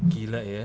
gila ya transfernya